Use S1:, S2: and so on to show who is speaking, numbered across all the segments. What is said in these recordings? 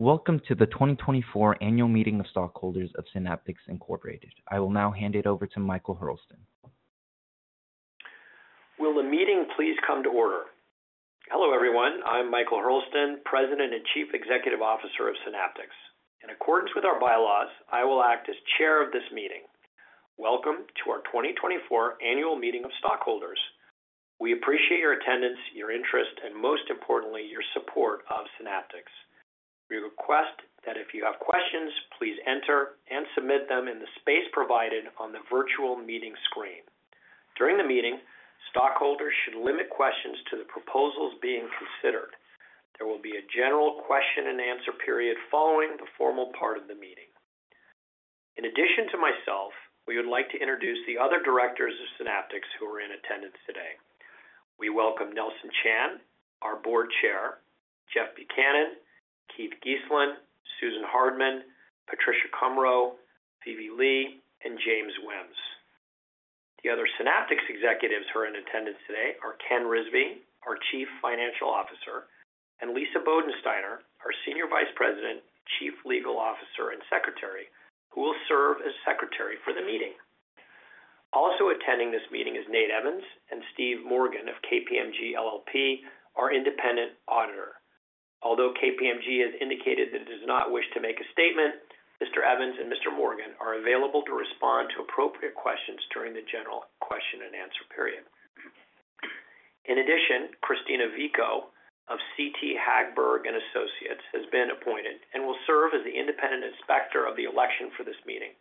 S1: Welcome to the 2024 Annual Meeting of Stockholders of Synaptics Incorporated. I will now hand it over to Michael Hurlston.
S2: Will the meeting please come to order?
S3: Hello everyone, I'm Michael Hurlston, President and Chief Executive Officer of Synaptics. In accordance with our bylaws, I will act as Chair of this meeting. Welcome to our 2024 Annual Meeting of Stockholders. We appreciate your attendance, your interest, and most importantly, your support of Synaptics. We request that if you have questions, please enter and submit them in the space provided on the virtual meeting screen. During the meeting, stockholders should limit questions to the proposals being considered. There will be a general question-and-answer period following the formal part of the meeting. In addition to myself, we would like to introduce the other directors of Synaptics who are in attendance today. We welcome Nelson Chan, our Board Chair, Jeff Buchanan, Keith Geeslin, Susan Hardman, Patricia Kampling, Phoebe Su, and James Whims. The other Synaptics executives who are in attendance today are Ken Rizvi, our Chief Financial Officer, and Lisa Bodensteiner, our Senior Vice President, Chief Legal Officer, and Secretary, who will serve as Secretary for the meeting. Also attending this meeting is Nate Evans and Steve Morgan of KPMG LLP, our independent auditor. Although KPMG has indicated that it does not wish to make a statement, Mr. Evans and Mr. Morgan are available to respond to appropriate questions during the general question-and-answer period. In addition, Khristina Veaco of CT Hagberg & Associates has been appointed and will serve as the independent inspector of the election for this meeting.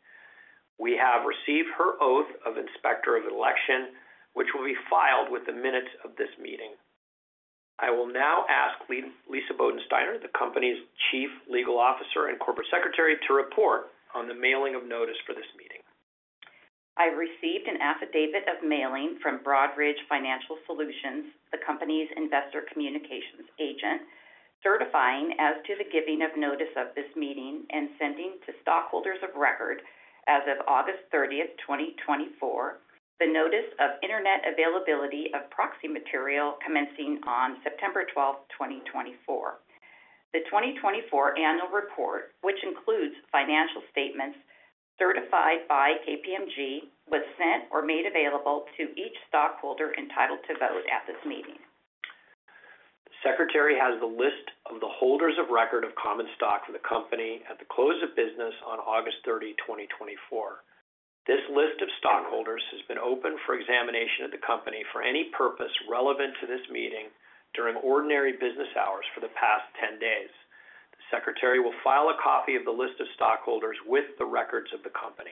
S3: We have received her oath of inspector of election, which will be filed with the minutes of this meeting. I will now ask Lisa Bodensteiner, the company's Chief Legal Officer and Corporate Secretary, to report on the mailing of notice for this meeting.
S4: I've received an affidavit of mailing from Broadridge Financial Solutions, the company's investor communications agent, certifying as to the giving of notice of this meeting and sending to stockholders of record as of August 30, 2024, the Notice of Internet availability of proxy material commencing on September 12, 2024. The 2024 Annual Report, which includes financial statements certified by KPMG, was sent or made available to each stockholder entitled to vote at this meeting.
S3: The Secretary has the list of the holders of record of common stock for the company at the close of business on August 30, 2024. This list of stockholders has been open for examination at the company for any purpose relevant to this meeting during ordinary business hours for the past 10 days. The Secretary will file a copy of the list of stockholders with the records of the company.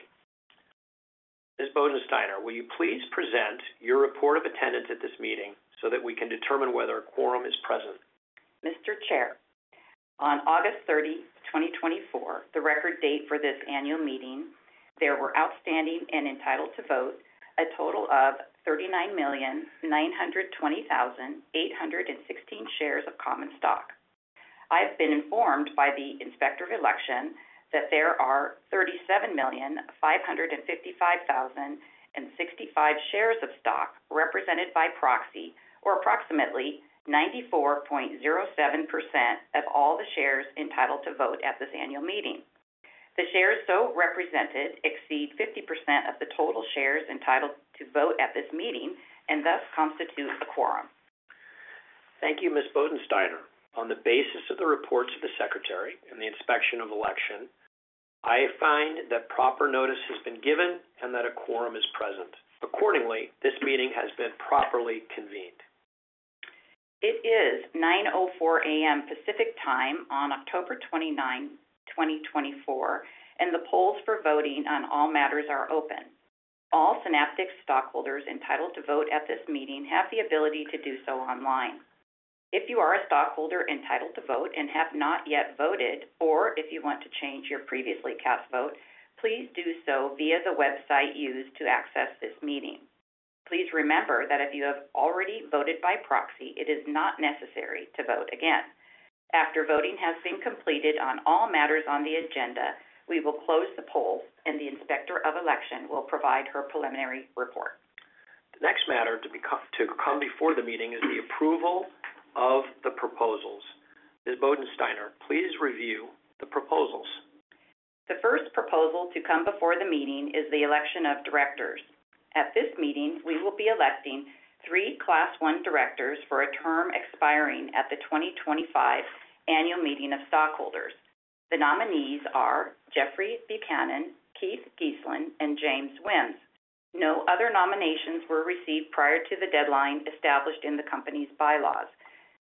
S3: Ms. Bodensteiner, will you please present your report of attendance at this meeting so that we can determine whether a quorum is present?
S4: Mr. Chair, on August 30, 2024, the record date for this annual meeting, there were outstanding and entitled to vote a total of 39,920,816 shares of common stock. I have been informed by the inspector of election that there are 37,555,065 shares of stock represented by proxy, or approximately 94.07% of all the shares entitled to vote at this annual meeting. The shares so represented exceed 50% of the total shares entitled to vote at this meeting and thus constitute a quorum.
S3: Thank you, Ms. Bodensteiner. On the basis of the reports of the Secretary and the inspector of election, I find that proper notice has been given and that a quorum is present. Accordingly, this meeting has been properly convened.
S4: It is 9:04 A.M. Pacific Time on October 29, 2024, and the polls for voting on all matters are open. All Synaptics stockholders entitled to vote at this meeting have the ability to do so online. If you are a stockholder entitled to vote and have not yet voted, or if you want to change your previously cast vote, please do so via the website used to access this meeting. Please remember that if you have already voted by proxy, it is not necessary to vote again. After voting has been completed on all matters on the agenda, we will close the polls and the inspector of election will provide her preliminary report.
S3: The next matter to come before the meeting is the approval of the proposals. Ms. Bodensteiner, please review the proposals.
S4: The first proposal to come before the meeting is the election of directors. At this meeting, we will be electing three Class l directors for a term expiring at the 2025 Annual Meeting of Stockholders. The nominees are Jeffrey Buchanan, Keith Geeslin, and James Whims. No other nominations were received prior to the deadline established in the company's bylaws.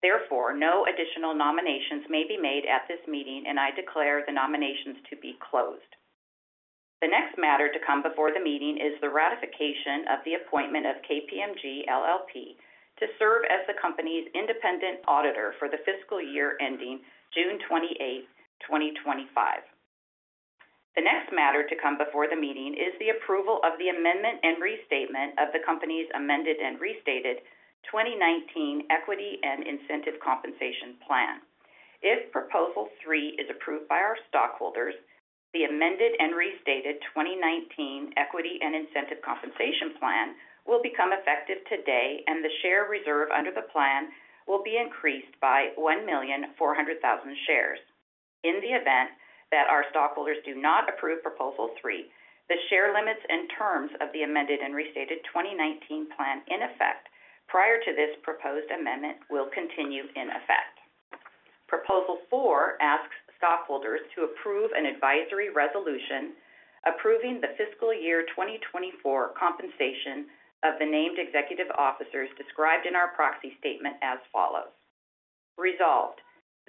S4: Therefore, no additional nominations may be made at this meeting, and I declare the nominations to be closed. The next matter to come before the meeting is the ratification of the appointment of KPMG LLP to serve as the company's independent auditor for the fiscal year ending June 28, 2025. The next matter to come before the meeting is the approval of the amendment and restatement of the company's amended and restated 2019 Equity and Incentive Compensation Plan. If proposal three is approved by our stockholders, the amended and restated 2019 Equity and Incentive Compensation Plan will become effective today, and the share reserve under the plan will be increased by 1,400,000 shares. In the event that our stockholders do not approve proposal three, the share limits and terms of the amended and restated 2019 plan in effect prior to this proposed amendment will continue in effect. Proposal four asks stockholders to approve an advisory resolution approving the fiscal year 2024 compensation of the named executive officers described in our proxy statement as follows. Resolved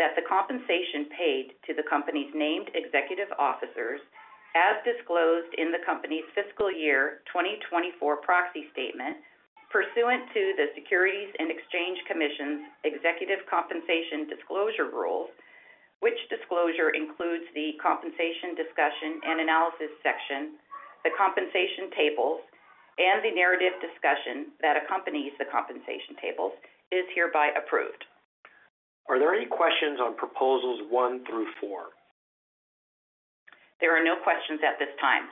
S4: that the compensation paid to the company's named executive officers as disclosed in the company's fiscal year 2024 proxy statement pursuant to the Securities and Exchange Commission's executive compensation disclosure rules, which disclosure includes the compensation discussion and analysis section, the compensation tables, and the narrative discussion that accompanies the compensation tables, is hereby approved.
S3: Are there any questions on proposals one through four?
S4: There are no questions at this time.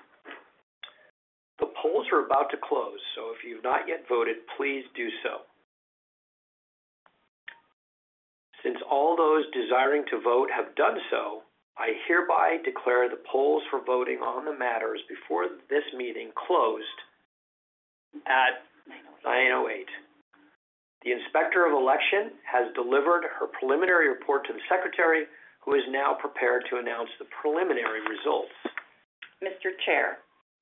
S3: The polls are about to close, so if you've not yet voted, please do so. Since all those desiring to vote have done so, I hereby declare the polls for voting on the matters before this meeting closed at 9:08 A.M. The inspector of election has delivered her preliminary report to the Secretary, who is now prepared to announce the preliminary results.
S4: Mr. Chair,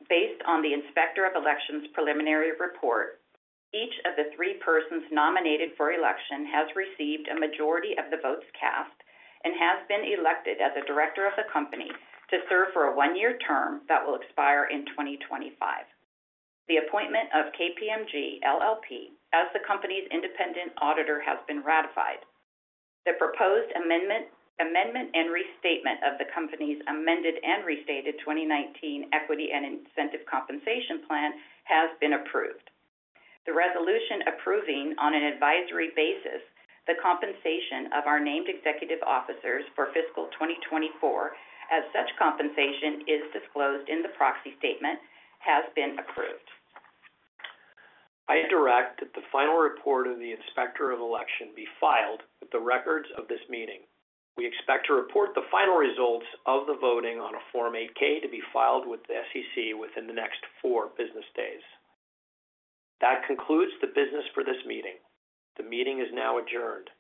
S4: based on the inspector of election's preliminary report, each of the three persons nominated for election has received a majority of the votes cast and has been elected as a director of the company to serve for a one-year term that will expire in 2025. The appointment of KPMG LLP as the company's independent auditor has been ratified. The proposed amendment and restatement of the company's amended and restated 2019 Equity and Incentive Compensation Plan has been approved. The resolution approving on an advisory basis the compensation of our named executive officers for fiscal 2024 as such compensation is disclosed in the proxy statement has been approved.
S3: I direct that the final report of the inspector of election be filed with the records of this meeting. We expect to report the final results of the voting on a Form 8-K to be filed with the SEC within the next four business days. That concludes the business for this meeting. The meeting is now adjourned.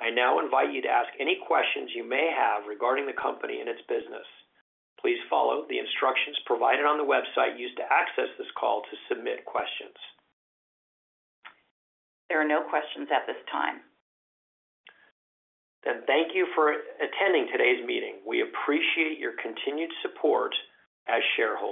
S3: I now invite you to ask any questions you may have regarding the company and its business. Please follow the instructions provided on the website used to access this call to submit questions.
S4: There are no questions at this time.
S3: Thank you for attending today's meeting. We appreciate your continued support as Chair of.